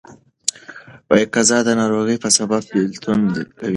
قضا د ناروغۍ په سبب بيلتون کوي.